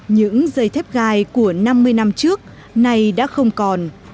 những dây thép gai của năm mươi năm trước nay đã không còn